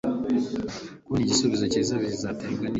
Kubona igisubizo cyiza bizatwara igihe.